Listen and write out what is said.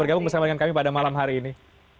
bergabung bersama dengan kami pada malam hari ini